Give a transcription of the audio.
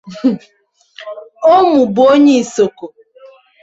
Omu bu onye Isoko.